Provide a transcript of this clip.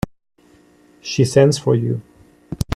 She sends for you.